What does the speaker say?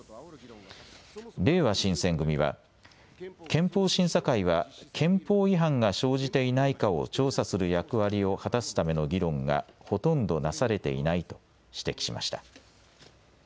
れいわ新選組は憲法審査会は憲法違反が生じていないかを調査する役割を果たすための議論がほとんどなされていないと指摘しました。